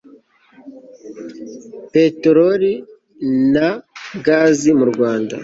peteroli na gazi mu rwanda